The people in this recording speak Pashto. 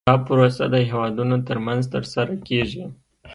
دا پروسه د هیوادونو ترمنځ ترسره کیږي